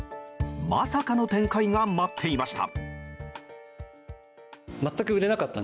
まさかの展開が待っていました。